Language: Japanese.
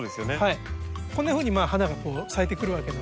こんなふうに花が咲いてくるわけなんですけど。